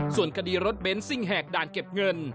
ส่วนคดีรถเน้นซิ่งแหกด่านเก็บเงิน